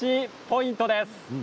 ポイントです。